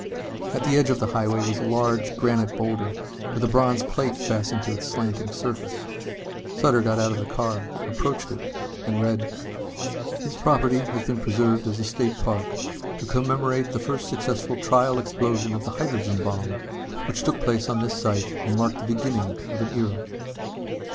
At the edge of the highway was a large granite boulder with a bronze plate fastened to its slanting surface. Sutter got out of the car, approached it and read: _This property has been preserved as a State Park to commemorate the first successful trial explosion of the Hydrogen Bomb which took place on this site and marked the beginning of an era.